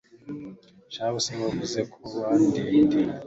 shahu se wavuze ko wantindiye